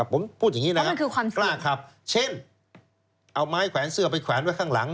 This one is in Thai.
ผมพูดอย่างนี้นะครับเช่นเอาไม้แขวนเสื้อไปแขวนไว้ข้างหลัง